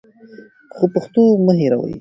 خو پښتو مه هېروئ.